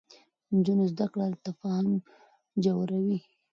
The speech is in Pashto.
د نجونو زده کړه تفاهم ژوروي.